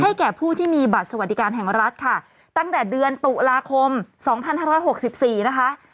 แก่ผู้ที่มีบัตรสวัสดิการแห่งรัฐค่ะตั้งแต่เดือนตุลาคมสองพันห้าร้อยหกสิบสี่นะคะ